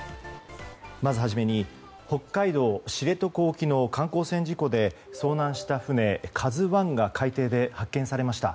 まず初めに北海道知床沖の観光船事故で遭難した船「ＫＡＺＵ１」が海底で発見されました。